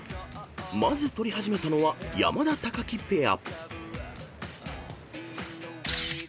［まず撮り始めたのは山田・木ペア］